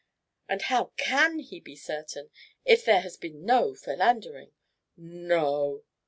And how can he be certain, if there has been no philandering. No!"